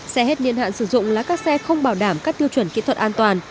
xe hết niên hạn sử dụng là các xe không bảo đảm các tiêu chuẩn kỹ thuật an toàn